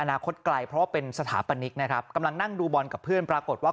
นาคตไกลเพราะว่าเป็นสถาปนิกนะครับกำลังนั่งดูบอลกับเพื่อนปรากฏว่า